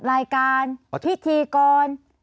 รายการพิธีกร